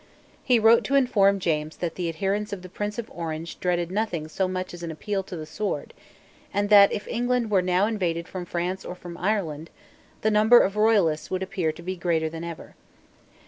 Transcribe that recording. He wrote to inform James that the adherents of the Prince of Orange dreaded nothing so much as an appeal to the sword, and that, if England were now invaded from France or from Ireland, the number of Royalists would appear to be greater than ever.